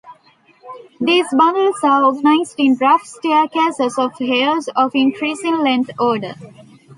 These bundles are organized in rough "staircases" of hairs of increasing length order.